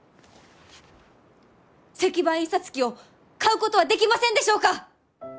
石版印刷機を買うことはできませんでしょうか？